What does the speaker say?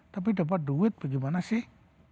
tapi dapat duit bagaimana sih